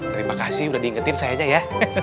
terima kasih udah diingetin sayanya ya